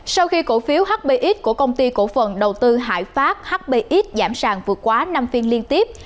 sau khi cổ phiếu hbx của công ty cổ phần đầu tư hải pháp hbs giảm sàng vượt quá năm phiên liên tiếp